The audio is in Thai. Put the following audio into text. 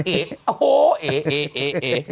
เอ๋โหเอ๋เอ๋เอ๋